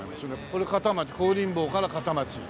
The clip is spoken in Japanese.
これ片町香林坊から片町。